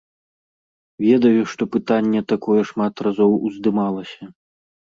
Ведаю, што пытанне такое шмат разоў уздымалася.